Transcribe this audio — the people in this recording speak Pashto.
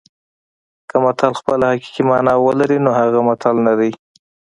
که متل خپله حقیقي مانا ولري نو هغه متل نه دی